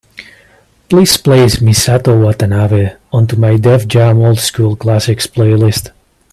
Please place Misato Watanabe onto my Def Jam Old School Classics playlist.